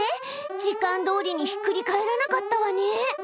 時間どおりにひっくり返らなかったわね。